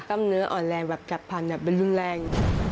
กล้ามเนื้ออ่อนแรงแบบจับพันธุ์แบบรุ่นแร้ง